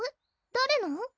誰の？